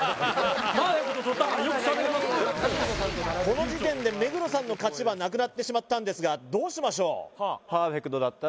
この時点で目黒さんの勝ちはなくなってしまったんですがどうしましょう？